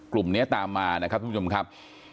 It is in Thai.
กลุ่มนี้ตามมานะครับ